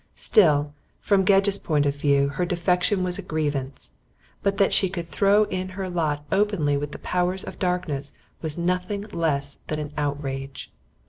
Still, from Gedge's point of view her defection was a grievance; but that she could throw in her lot openly with the powers of darkness was nothing less than an outrage.